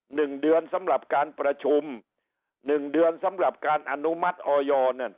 หนึ่งเดือนสำหรับการประชุมหนึ่งเดือนสำหรับการอนุมัติออยนั่น